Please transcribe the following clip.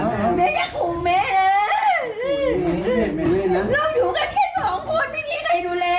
แล้วลูกนะไม่ฟังความพูดอะไรก็ไม่เชื่อ